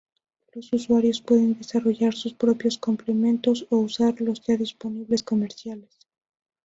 Los usuarios pueden desarrollar sus propios complementos o usar los ya disponibles comerciales.